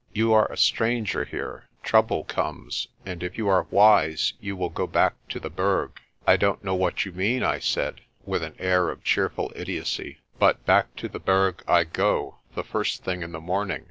You are a stranger here. Trouble comes and if you are wise you will go back to the Berg." "I don't know what you mean," I said, with an air of cheerful idiocy. "But back to the Berg I go the first thing in the morning.